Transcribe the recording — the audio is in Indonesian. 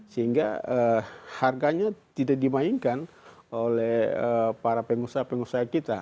sehingga harganya tidak dimainkan oleh para pengusaha pengusaha kita